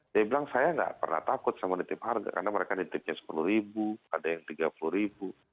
dia bilang saya nggak pernah takut sama ditip harga karena mereka ditipnya rp sepuluh ada yang rp tiga puluh